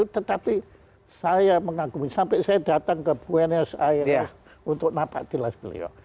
tetapi saya mengagumi sampai saya datang ke buenos aires untuk nampak tilas beliau